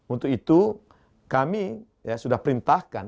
untuk itu kami sudah perintahkan